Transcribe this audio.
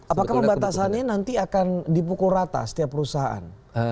apakah pembatasannya nanti akan dipukul rata setiap perusahaan